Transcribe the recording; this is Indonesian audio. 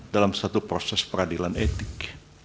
dalam satu proses peradilan etik